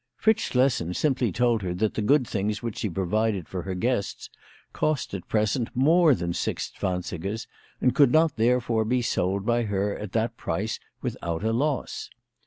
Fritz Schlessen simply told her that the good things which she provided for Jier guests cost at present more than six zwansigers, and could not therefore be sold by her at that price without a loss.